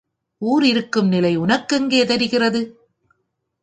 ஊர் இருக்கும் நிலை உனக்கெங்கே தெரிகிறது?